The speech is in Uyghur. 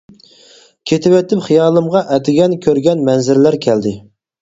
كېتىۋېتىپ خىيالىمغا ئەتىگەن كۆرگەن مەنزىرىلەر كەلدى.